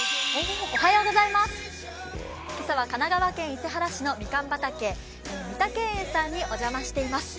今朝は神奈川県伊勢原市のみかん畑三岳園さんにお邪魔しています。